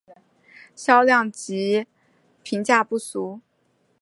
销量及评价不俗。